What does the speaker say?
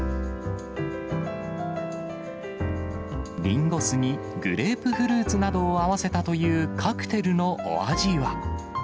リンゴ酢にグレープフルーツなどを合わせたというカクテルのお味